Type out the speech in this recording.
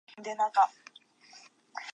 メガネが曇って、「今日は見えにくい日」と嘆いた。